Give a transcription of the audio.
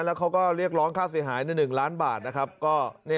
แล้วเขาก็เรียกร้องค่าเสียหายในหนึ่งล้านบาทนะครับก็เนี่ย